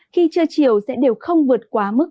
khi trưa chiều sẽ đều không vượt quá mức ba mươi ba độ